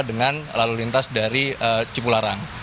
dengan lalu lintas dari cipularang